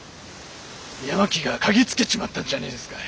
八巻が嗅ぎつけちまったんじゃねえですかい？